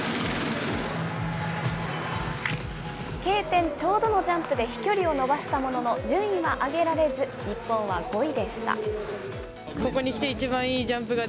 Ｋ点ちょうどのジャンプで飛距離を伸ばしたものの、順位は上げられず、日本は５位でした。